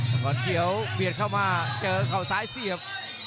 ก่อนเขียวเบียดเข้ามาเจอเขาซ้ายเสียบ